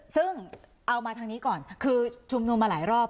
ซึ่งเอามาทางนี้ก่อนคือชุมนุมมาหลายรอบ